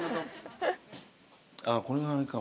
ああこれがあれか。